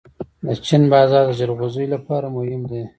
د چین بازار د جلغوزیو لپاره مهم دی.